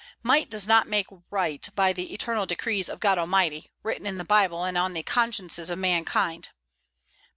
Might does not make right by the eternal decrees of God Almighty, written in the Bible and on the consciences of mankind.